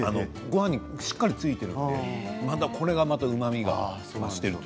ごはんにしっかりとついているのでこれがまた、うまみを増している。